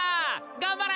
頑張れ！